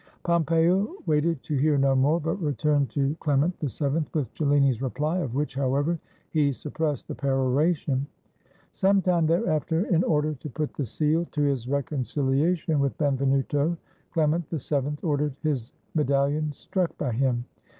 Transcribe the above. Pompeo waited to hear no more, but returned to Clement VII with Cellini's reply, of which, however, he suppressed the peroration. Sometime thereafter, in order to put the seal to his reconcihation with Benvenuto, Clement VII ordered his medallion struck by him.